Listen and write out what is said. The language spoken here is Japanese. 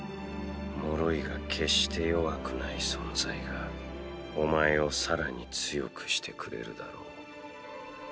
脆いが決して弱くない存在がお前を更に強くしてくれるだろう。